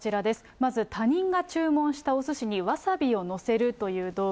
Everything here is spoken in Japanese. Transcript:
まず、他人が注文したおすしにわさびを載せるという動画。